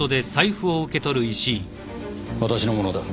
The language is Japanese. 私のものだ。